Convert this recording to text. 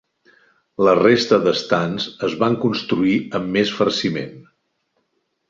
La resta d'estands es van construir amb més farciment.